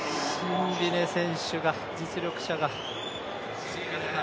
シンビネ選手が、実力者が。